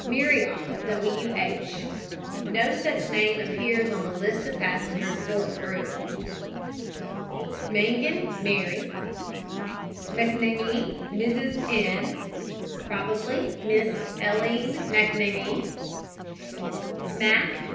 MARRIORTT, W. H. (no such name appears on the list of passengers or crew). MANGIN, MARY. McNAMEE, MRS. N. (probably Miss Elleen McNamee.) MACK, MRS.